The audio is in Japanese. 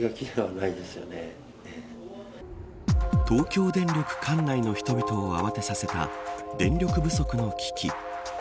東京電力管内の人々を慌てさせた電力不足の危機。